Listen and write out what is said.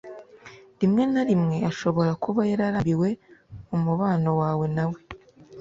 rimwe na rimwe ashobora kuba yararambiwe umubano wawe nawe